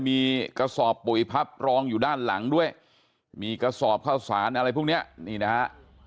มีกระสอบปุ๋ยพับรองอยู่ด้านหลังด้วยมีกระสอบข้าวสารอะไรพวกนี้นี่นะฮะ